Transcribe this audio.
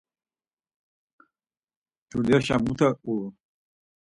Dulyaşe mute ulur?